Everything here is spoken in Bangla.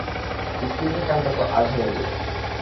কিষ্কিন্ধ্যাকাণ্ড তো আজ হয়ে গেল।